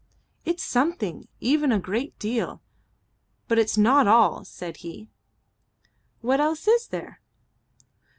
"It is something. Even a great deal. But it's not all," said he. "What else is there?"